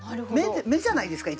目じゃないですか。